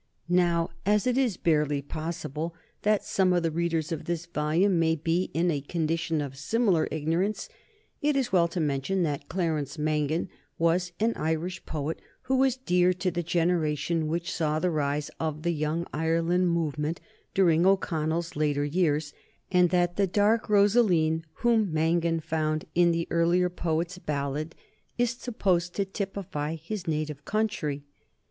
Now, as it is barely possible that some of the readers of this volume may be in a condition of similar ignorance, it is well to mention that Clarence Mangan was an Irish poet who was dear to the generation which saw the rise of the Young Ireland movement during O'Connell's later years, and that the dark Rosaleen whom Mangan found in the earlier poet's ballad is supposed to typify his native country.